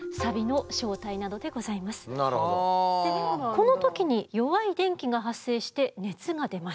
この時に弱い電気が発生して熱が出ます。